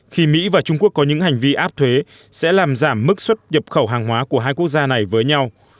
khi mỹ và trung quốc có những hành vi áp thuế sẽ làm giảm mức xuất nhập khẩu hàng hóa của hai quốc gia này với nhau